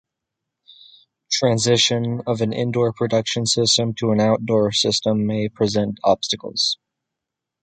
Transition of an indoor production system to an outdoor system may present obstacles.